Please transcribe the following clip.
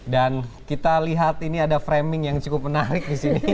kita lihat ini ada framing yang cukup menarik di sini